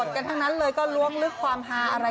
แจ้งแคลนชันครับทุกช่องเขานี่สนุกสนาน